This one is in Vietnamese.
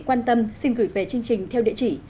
quan tâm xin gửi về chương trình theo địa chỉ